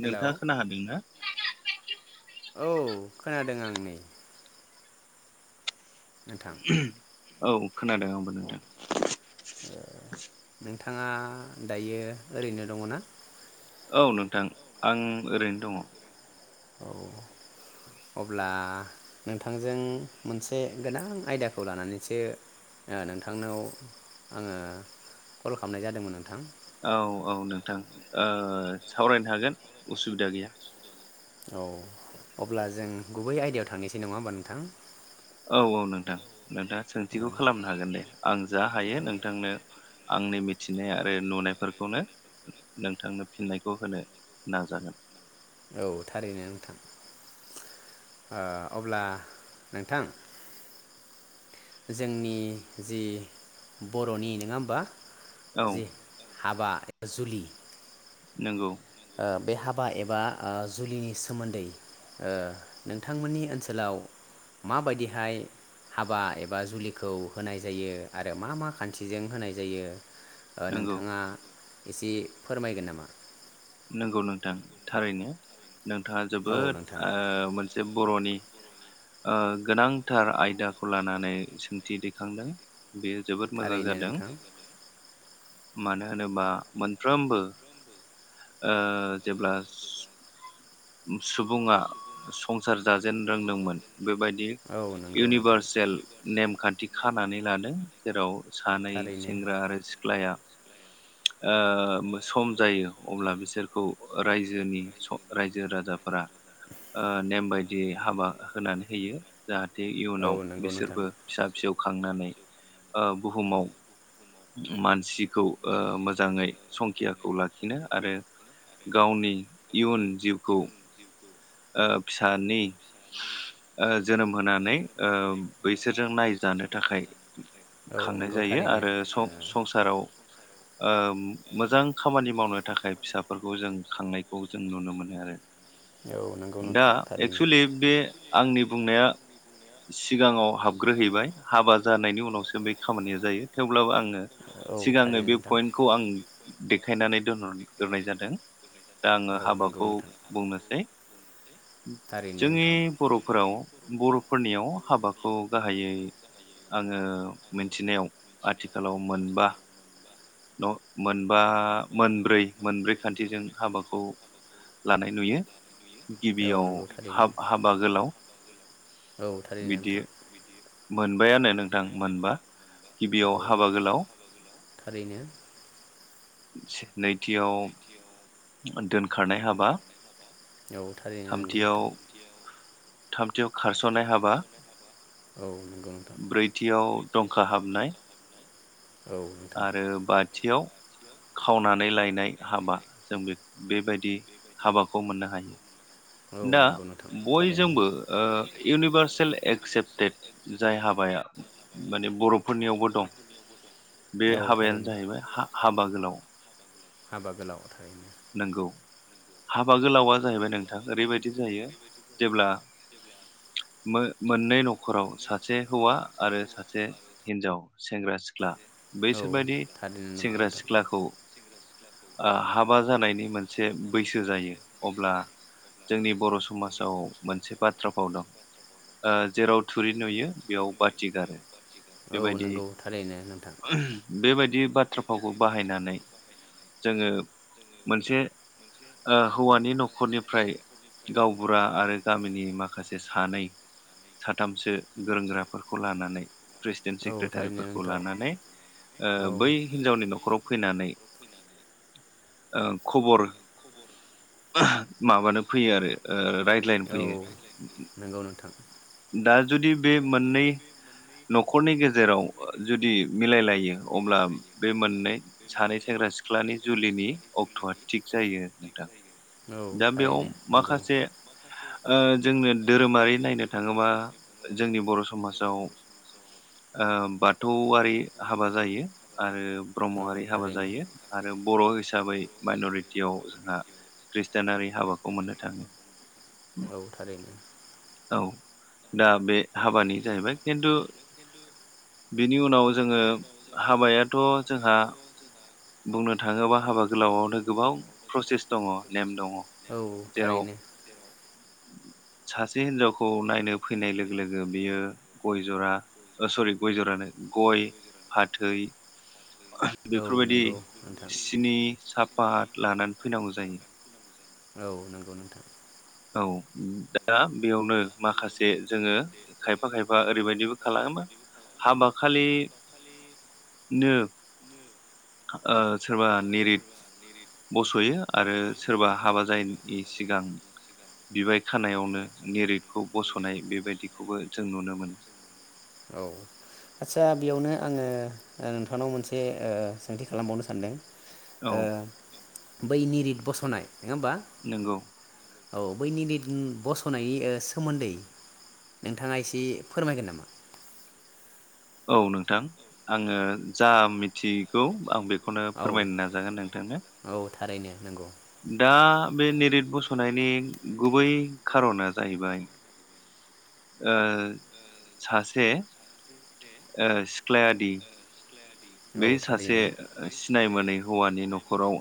Hello नोंथाङा खोना हादोंना? औ खोनादों आं नै। नोंथां। औ खोनादों आंबो नोंथां। ओ नोंथाङा दायो ओरैनो दङ ना? औ नोंथां आं ओरैनो दङ। औ अब्ला नोंथांजों मोनसे गोनां आयदाखौ लानानैसो ओ नोंथांनाव आंङो कल खालामनाय जादोंमोन नोंथां। औ औ नोंथां ओ सावरायनो हागोन उसुबिदा गैया। औ अब्ला जों गुबै आयदायाव थांनोसै नङा होमबा नोंथां? औ औ नोंथां। नोंथाङा सोंथिखौ खालामनो हागोन दे आं जा हायो नोंथांनो आंनि मिथिनाय आरो नुनायफोरखौनो नोंथांनो फिननायखौ होनो नाजागोन। औ थारैनो नोंथां। ओ अब्ला नोंथां जोंनि जि बर'नि नोंङा ओमबा? औ जि हाबा। जुलि। नोंगौ। ओ बे हाबा एबा जुलिनि सोमोन्दै ओ नोंथांमोननि ओनसोलाव माबायदिहाय हाबा एबा जुलिखौ होनाय जायो आरो मा मा खान्थिजों होनाय जायो। ओ नंगौ नोंथाङा। एसे फोरमायगोन नामा।। नंगौ नोंथां थारैनो। नोंथाङा औ जोबोद नोंथां ओ मोनसे बर'नि। ओ गोनांथार आयदाखौ लानानै सोंथि दैखांदों। बेयो जोबोद मोजां थारैनो जादों। नोंथां मानो होनोबा मोनफ्रोमबो। ओ जेब्ला सु-सुबुङा संसार जाजेन रोंदोंमोन। बेबायदि औ नंगौ नोंथां। इउनिभारसेल नेमखान्थि खानानै। लादों जेराव। सानै थारैनो सेंग्रा आरो सिख्लाया। ओ सम जायो अब्ला बिसोरखौ रायजोनि स रायजो राजाफोरा ओ नेम बायदियै हाबा होनानै होयो जाहाथ थे औ इयुनाव नंगौ नोंथां बिसोरबो फिसा-फिसौ खांनानै। ओ बुहुमाव मानसिखौ ओ मोजाङै संखियाखौ लाखिनो आरो गावनि इयुन जिउखौ ओ फिसानि ओ जोनोम होनानै ओ बैसोरजों नायजानो थाखाय औ खांनाय नंगौ जायो थारैनो आरो ओ स-संसाराव ओ मोजां खामानि मावनो थाखाय फिसाफोरखौ जों खांनायखौ जों नुनो मोनो आरो औ नंगौ दा नोंथां थारैनो। एक्सुलि बे आंनि बुंनाया सिगांङाव हाबग्रोहैबाय हाबा जानायनि उनावसो बे खामानिया जायो थेवब्लाबो आङो सिगांङो बे पइन्टखौ आं सिगांनो देखायनानै दोनहर ग्रोनाय जादों। दा आंङो आं आङो हाबाखौ बुंनोसै। थारैनो जोंनि नोंथां बर'फोराव बर'फोरनियाव हाबाखौ गाहायै आंङो मिथिनायाव आथिखालाव मोनबा न मोनबा मोनब्रै मोनब्रै खान्थिजों हाबाखौ लानाय नुयो औ गिबियाव नंगौ थारैनो हाब हाबा गोलाव औ थारैनो बिदि नोंथां मोनबायानो नोंथां मोनबा। औ गिबियाव हाबा गोलाव थारैनो नैथियाव दोनखारनाय हाबा औ थारैनो नंगौ थामथियाव नोंथां थामथियाव खारस'नाय हाबा औ नंगौ नोंथां ब्रैथियाव दंखा हाबनाय औ नोंथां आरो बाथियाव खावनानै लायनाय हाबा जों बे बेबायदि हाबाखौ मोननो हायो औ दा नंगौ नोंथां थारैनो। बयजोंबो ओ इउनिभार्सेल एक्सेप्टेड जाय हाबाया माने बर'फोरनियावबो दं बे औ हाबायानो थारैनो जाहैबाय हा हाबा गोलाव हाबा गोलाव थायोमोन नंगौ हाबा गोलावा जाहैबाय नोंथां ओरैबायदि जायो जेब्ला मो मोननै न'खराव सासे हौवा आरो सासे हिनजाव सेंग्रा सिख्ला बैसोर औ बायदि थारैनो नंगौ सेंग्रा नोंथां सिख्लाखौ ओ हाब हाबा जानायनि मोनसे बैसो जायो अब्ला जोंनि बर' समाजाव मोनसे बाथ्रा फाव दं ओ जेराव थुरि नुयो बेयाव बाथि गारो औ बेबायदि नंगौ थारैनो नोंथां बेबायदि बि बाथ्रा फावखौ बाहायनानै जोङो मोनसे अ हौवानि न'खरनिफ्राय गावबुरा आरो गामिनि माखासे सानै साथामसो गोरोंग्राफोरखौ लानानै प्रेसिडेन्ट औ थारैनो सेक्रेटारिफोरखौ नोंथां लानानै अ औ बै हिनजावनि न'खराव फैनानै अ खबर माबानो फैयो आरो ओ रायज्लायनो औ फैयो नंगौ नोंथां दा जुदि बे मोननै न'खरनि गेजेराव जुदि मिलायलायो अब्ला बे मोननै सानै सेंग्रा सिख्लानि जुलिनि अक्ट'आ थिग जायो नोंथां औ दा बेयाव थारैनो नंगौ माखासे आ जोंनो धोरोमारि नायनो थाङोबा जोंनि बर' समाजाव आ बाथौआरि हाबा जायो आरो औ ब्रह्मआरि हाबा थारैनो जायो आरो बर' हिसाबै माइन'रिटियाव जोंहा खृष्टिानारि हाबाखौ मोननो थाङो औ थारैनो औ दा बे हाबानि जाहैबाय खिन्थु बेनि उनाव जोङो हाबायाथ' जोंहा बुंनो थाङोबा हाबा गोलावावनो गोबां प्रसेस दङ नेम दङ औ थारैनो सास से मोन हिनजावखौ नायनो फैनाय लोगो लोगो बियो गय जरा अ सरि गय जरानो गय फाथै औ बेफोरबायदि नंगौ नोंथां सिनि साब पाट लानानै फैनांगौ जायो औ नंगौ नोंथां। औ दा बेयावनो माखासे जोङो खायफा खायफा ओरैबायदिबो खालामो हाबााखलि नो अ सोरबा निरिद बस'यो आरो सोरबा हाबा जायनि सिगां बिबाय खानायावनो निरिदखौ बस'नाय बेबायदिखौबो जों नुनो मोनो। आतसा बेयावनो आङो नोंथांनाव ओ मोनसे सोंथि खालामबावनो सानदों? ओ औ बै नि रित बस'नाय नङा होमबा नंगौ औ बैनि निरिद बस'नायनि सोमोन्दै नोंथाङा एसे फोरमायगोन नामा? औ नोंथां आङो जा जा मिथिगौ आं मिथिगौ बेखौ बेखौनो फोरमायनो नाजागोन नोंथांनो थारायनो नंगौ। दा बे निरित बस'नायनि गुबै खार'ना जाहैबाय अ सासे अ सिख्लायादि समाजनि बे गोरोबनायनि सासे गेजेरजों सिनाय मोनै हौवानि न'खराव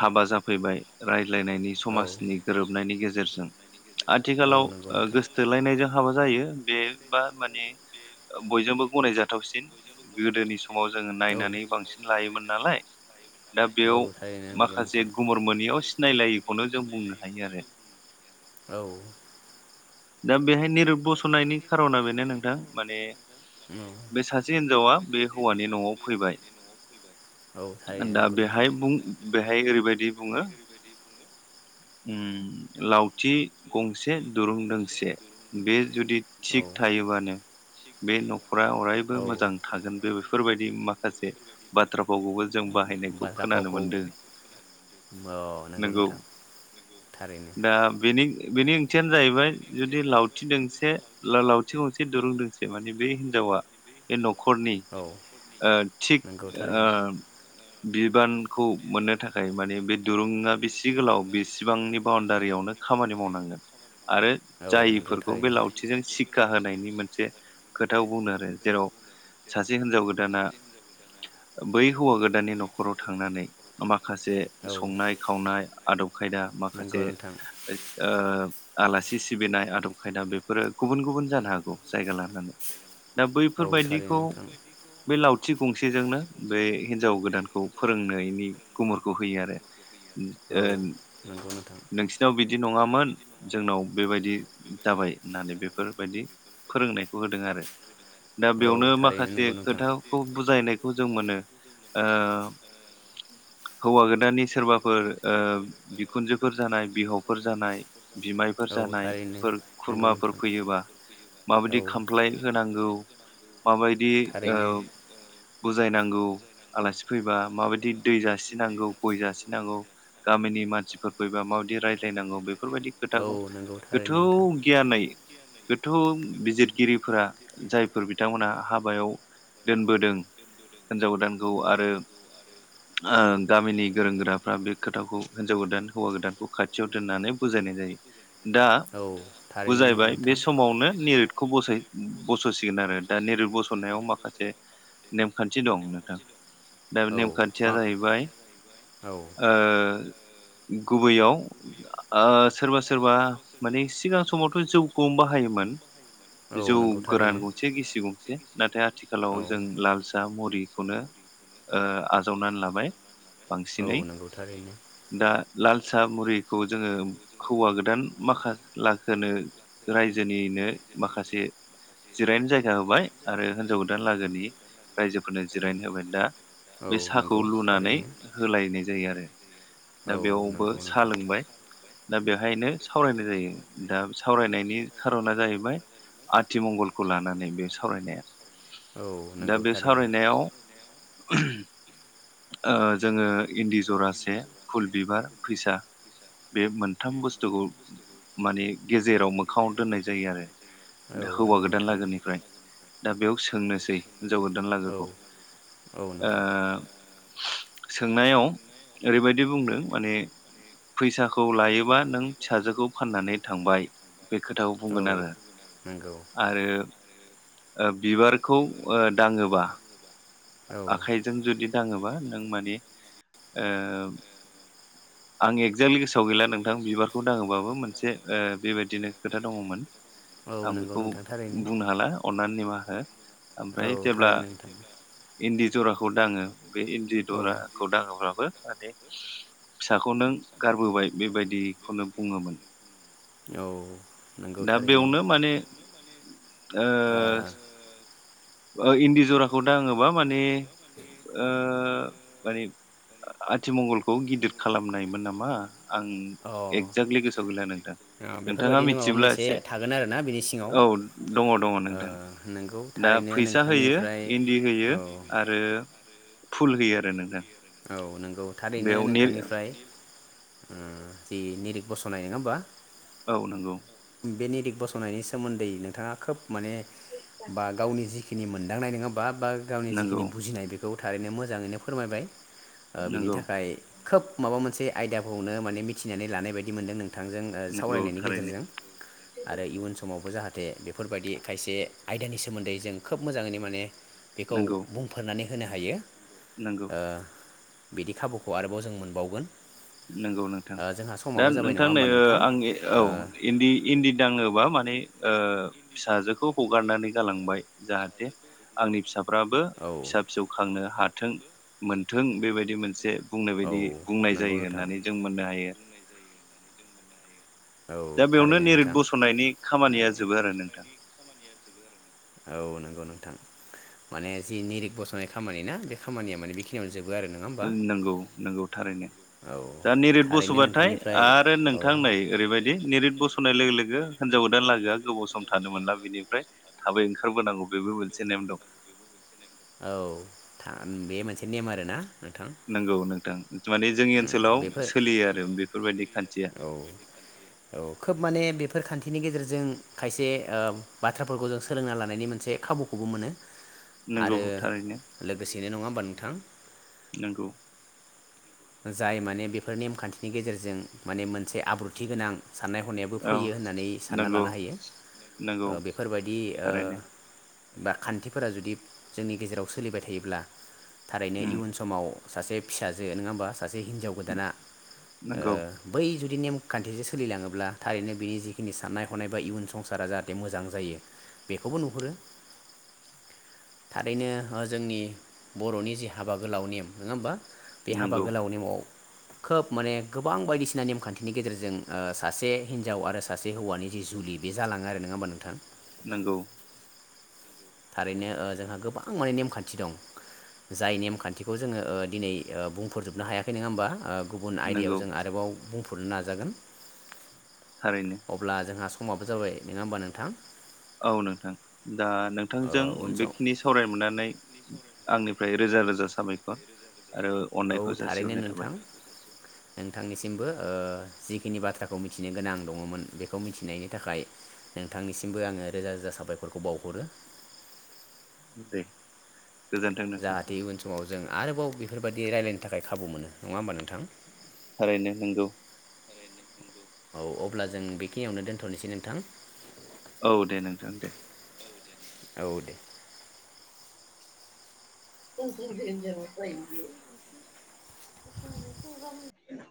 हाबा जाफैबाय राय ज्लायनायनि समाजनि गोरोबनायनि गेजेरजों जं आथिखालाव आथिखालाव ओ गोदो गोदोनि समाव गोसथोलायनायजों हाबा जायो बेबा माने बयजोंबो गनाय जाथावसिन गोदोनि समाव जोङो जों नायनानै बांसिन लायोमोन नायनानै नालाय दा बांसिन लायोमोन नालाय औ बेयाव थारैनो नंगौ माखासे नोंथां गुमुर मोनैयाव सिनायलायैखौनो जों बुंनो हायो आरो। औ दा बेहाय निरब बस'नायनि खार'ना बेनो नोंथां माने बे नोंथां सासे हिनजावा बे हौवानि न'आव फैबाय औ थारैनो दा नंगौ नोंथां बेहाय बुं बेहाय ओरैबायदि बुङो लावथि गंसे दुरुं दों से बे जुदि थिक थायोबानो बानो बे न'खरा अरायबो बे मोजां थागोन बे बेफोरबायदि माखासे बाथ्रा फावखौबो जों बाहाय नायखौ बाथ्रा खोनानो फावखौ मोनदों औ नंगौ नोंगौ नोंथां थारैनो दा बेनि बेनि ओंथियानो जाहैबाय जुदि लावथि दोंसे लावथि गंसे दुरुं दोंसे माने बे हिनजावा बे न'खरनि औ ओ थिग नंगौ ओ थारैनो बिबानखौ मोननो थाखाय माने बे दुरुङा बेसे गोलाव बेसेबांनि बाउण्डारियावनो खामानि मावनांगोन आरो औ नंगौ जायफोरखौ बे थारैनो लावथिजों सि- खा होनायनि मोनसे खोथा बुंदों आरो जेराव सासे हिनजाव गोदाना बै हौवा गोदाननि न'खराव थांनानै माखासे औ बे संनाय खावनाय आदब खायदा नंगौ माखासे नोंथां आलासि सिबिनाय आदब खायदा बेफोरो गुबुन गुबुन जानो हागौ जायगा लानानै। दा औ थारैनो बैफोरबायदिखौ नोंथां बे लाव- थिग गंसेजोंनो बे हिनजाव गोदानखौ फोरोंनायनि गुमुरखौ होयो आरो। औ नंगौ नोंथां नोंसिनाव बिदि बिदि नङामोन जोंनाव बेबायदि जाबाय होननानै बेफोरबायदि फोरोंनायखौ होदों आरो। दा औ बेयावनो थारैनो माखासे नंगौ नोंथां। खोथाखौ बुजायनाय- खौ जों मोनो। हौवा गोदाननि सोरबाफोर बिखुनजोफोर जानाय, बिहावफोर जानाय बिमाय- फोर औ थारैनो जानायफोर नंगौ खुरमाफोर नोंथां फैयोबा औ। माबायदि खामफ्लाय होनांगौ माबायदि थारैनो। बुजायनांगौ आलासि फैबा माबायदि दै जासिनांगौ गय जासिनांगौ गामिनि मानसिफोर फैबा माबायदि रायज्लायनांगौ बे फोरबायदि औ खोथाखौ नंगौ गोथौ थारैनो नोंथां गियानै, गोथौ बिजिरगिरिफोरा जायफोर बिथांमोनहा हाबायाव दोनबोदों हिन्जावगोदानखौ आरो ओ गामिनि गोरों गोराफ्रा बे खोथाखौ हिन्जाव गोदान हौवा गोदानखौ खाथियाव दोननानै बुजायनाय जायो। दा औ थारैनो नंगौ बुजायबाय नोंथां। बेसमावनो निरिदखौ बसयो। बस'सिगोन आरो दा निरिद बस'नायाव माखासे नेमखान्थि दं नोंथां। दा बे औ नेमखान्थिया मा जाहैबाय औ ओ गुबैयाव ओ सोरबा- सोरबा माने सिगां समावथ' जौखौनो बाहायोमोन। औ जौ नंगौ गोरान थारैनो। गंसे, गिसि गंसे नाथाय आथिखालाव जों लाल साहा मुरि बिखौनो ओ आजावनानै लाबाय। औ बांसिनै नंगौ थारैनो। दा लाल सा मुरिखौ जोङो हौवा गोदान माखा लागोनो रायजोनिनो माखासे जिरायनो जायगा होबाय आरो हिनजाव गोदान लागोनि रायजोफोरनो जिरायनो होबाय। दा औ बे साहाखौ नंगौ लुनानै थारैनो होलायनाय जायो आरो दा औ बेयावबो नंगौ साहा नोंथां लोंबाय दा बेहायनो सावरायनाय जायो। दा सावरायनायनि खारना जाहैबाय आथिमंगलखौ लानानै बे सावरायनाया। औ दा नंगौ बे थारैनो सावरायनायाव ओहोम ओ जोङो इन्दि जरासे फुल बिबार फैसा बे मोनथाम बुस्थुखौ माने गेजेराव मोखाङाव दोननाय जायो आरो। औ दा हौवा नंगौ गोदान नोंथां लागोरनिफ्राय दा बेयाव सोंनोसै हिनजाव गोदान औ लोगोखौ औ ओ नोंथां सोंनायाव ओरैबादि बुंदों माने फैसाखौ लायोबा नों फिसाजोखौ फाननानै थांबाय बे खोथाखौ औ बुंगोनआरो नंगौ आरो ओ बिबारखौ ओ दाङोबा औ आखाइजों जुदि दाङोबा ओं माने ओ आं एक्जाक्टलि गोसोआव गैला नोंथां बिबारखौ दाङोबाबो मोनसे ओ बेबादिनो खोथा दङमोन। नांगौबाबो मोनसे ओ बेबायदिनो खोथा दङमोन। औ आं नंगौ बेखौ नोंथां थारैनो बुंनो हाला अननानै निमाहा हो। औ थारैनो नोंथां। दि जराखौ दाङो। बे इन्दि दराखौ दाङोब्लाबो माने फिसाखौ नों गारबोबाय बेबायदिखौनो बुङोमोन। औ नंगौ दा थारैनो बेवनो माने ओ ओ इन्दि जराखौ दाङोबा माने ओ माने आथि मंगलखौ गिदिर खालामनायमोन नामा। आं अ एक्जाकलि गोसोआव गैला नोंथां नोंथाङा बेफोरबायदिनो माबा मिथियोब्ला मोनसे एसे थागोन आरोना बिनि सिङाव औ ओ दङ दङ नोंथां नोंगौ दा। थारैनो फैसा होयो नोंथांनिफ्राय इन्दि होयो औ आरो फुल होयो आरो नोंथां। औ नंगौ थारैनो बेयाव ने नोंथांनिफ्राय। ओ जि निरिक बसनाय नङा ओमबा? औ नंगौ। बे निरिक बसनायनि सोमोन्दै नोंथाङा खोब माने बा गावनि जिखिनि मोन [unintelligible] बा गावनि नंगौ जिखिनि बुजिनाय बे खौ थारैनो मोजाङैनो फोरमायबाय। ओ बिनि नंगौ थाखाय खोब माबा मोनसे आयदाखौनो माने मिथिनानै लानाय बायदि मोनदों नों थांजों ओ नंगौ सावरायनायनि थारैनो गेजेरजों आरो इयुन समावबो जाहाथे बेफ फोरबायदि खायसे आयदानि सोमोन्दै जों खोब मोजाङैनो माने बेखौ नंगौ बुंफोरनानै होनो हायो। नंगौ ओ बिदि खाबुखौ आरोबाव जों मोनबावगोन। नोंगौ नोंथां ओ जोंहा दा समाबो जाबाय नङा नोंथां नै होमबा ओ नोंथां आं औ इन्दि इन्दि दाङोबा मा नै ओ फिसाजोखौ हगारनानै गालांबाय जाहाथे आंनि फिसा फ्राबो नोंथां बेबायदि मोनसे फिसा फिसौ खांनो हाथों मोनथों बेबायदि मोनसे बुंनाय बायदि बुंनाय जायो होननानै जों मोननो हायो औ दा बेयावनो थारैनो निरित नोंथां बस'नायनि खामानिया जोबो आरो नोंथां। औ नोंगौ नोंथां माने जि निरिग बसनाय खामानि ना बे खामानिया माने बेखिनियाव नोंगौ नोंगौ थारैनो औ दा निरिद थारैनो बसबाताइ नोंथांनिफ्राय आरो औ नोंथां नाय ओरैबायदि निरित बोस'नाय लोगो लोगो हिनजाव गोदान लागोआ गोबाव सम थानो मोनला बिनिफ्राय थाबै ओंखारबोनांगौ बेबो मोनसे नेम दं। औ बे मोनसे नेम आरोना। नोंथां नोंगौ नोंथां इदि माने जोंनि उम ओनसोलाव बेफोर सोलियो आरो बेफोर बायदि खान्थिया। औ औ खोब माने बेफोर खान्थिनि गेजेरजों खायसे ओ बाथ्राफोरखौ जों सोलोंना लानायनि मोनसे खाबुखौबो मोनो। नंगौ आरो थारैनो लोगोसेनो नङा बोनथां नोंगौ जाय माने बेफोर नेमखान्थिनि गेजेरजों माने मोनसे आब्रुथि गोनां साननाय हनायाबो औ फैयो होननानै सानना लानो नंगौ हायो ओ नंगौ बेफोरबायदि ओ थारैनो बा खान्थिफोरा जुदि जोंनि गेजेराव सोलिबाय थायोब्ला थारैनो उम इयुन समाव सासे फिसाजो नोङा होमबा सासे हिनजाव गोदाना ओ नंगौ बै जुद दि नेमखान्थिजों सोलिलाङोब्ला थारैनो बिनि जिखिनि साननाय हनाय बा इयुन संसारा जाहाथे मोजां जायो बेखौबो नुहुरो। थारैनो ओ जोंनि बर'नि जि हाबा गोलाव नेम नङा होमबा बे हाबा नंगौ गोलाव नेमाव खोब माने गोबां बायदिसिना नेमखान्थिनि गेजेरजों ओ सासे हिनजाव आरो सासे हौवानि जि जुलि बे जालाङो आरो नङा होमबा नोंथां। नोंगौ थारैनो ओ जोंहा गोबां माने नेमखान्थि दं जाय नेमखान्थिखौ जोंङो ओ दिनै बुंफोरजोबनो हायाखै नङा होमबा ओ गुबुन आयदायाव नंगौ जों आरोबाव बुंफोरनो नाजागोन थारैनो अब्ला जोंहा स [unintelligible] माबो जाबाय नङा होमबा नोंथां औ नोंथां दा ओ नोंथांजों उन सम बेखिनि सावराय मोननानै आंनिफ्राय रोजा रोजा साबायखर आरो औ अननायखौ थारैनो जासिहरनाय थाबाय नोंथां नोंथांनिसिमबो। ओ जिखिनि बाथ्राखौ मिथिनो गोनां दङमोन बेखौ मिथिनायनि थाखाय नोंथांनिसिमबो आंङो रोजा रोजा साबायखरखौ बावहरो दे गोजोनथों नोंथां जाहाथे इयुन समाव जों आरोबाव बेफोरबायदि रायलायनो थाखाय खाबु मोन नङा होमबा नों थारैनो नंगौ औ अब्ला जों बेखिनियावनो दोन्थनोसै नोंथां औ दे नोंथां दे औ दे [inaudible] [inaudible]